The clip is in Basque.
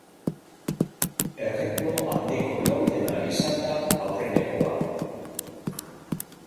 Erritmo handiko laurdena izan da aurrenekoa.